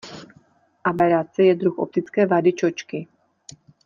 Aberace je druh optické vady čočky.